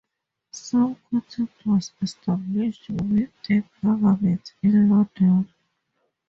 Some contact was established with the government in London.